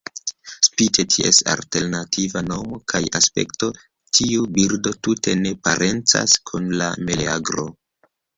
Spite ties alternativa nomo kaj aspekto, tiu birdo tute ne parencas kun la meleagro.